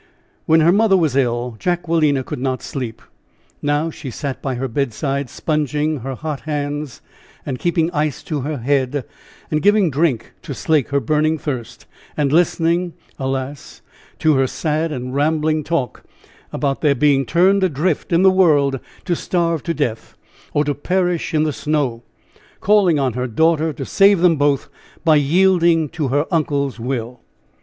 When her mother was ill, Jacquelina could not sleep. Now she sat by her bedside sponging her hot hands and keeping ice to her head and giving drink to slake her burning thirst and listening, alas! to her sad and rambling talk about their being turned adrift in the world to starve to death, or to perish in the snow calling on her daughter to save them both by yielding to her uncle's will!